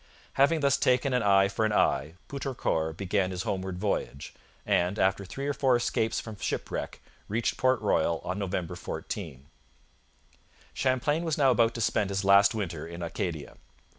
Having thus taken an eye for an eye, Poutrincourt began his homeward voyage, and, after three or four escapes from shipwreck, reached Port Royal on November 14. Champlain was now about to spend his last winter in Acadia.